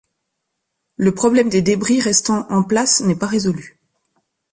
Le problème des débris restant en place n'est pas résolu.